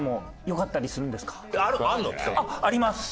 あります！